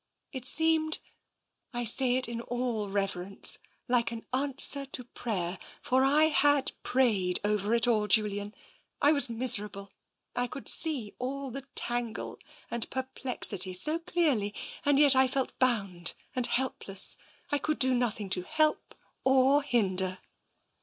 " It seemed — I say it in all reverence — like an an swer to prayer, for I had prayed over it all. Julian, I was miserable. I could see all the tangle and perplexity so clearly, and yet I felt bound and helpless. I could do nothing to help or to hinder.'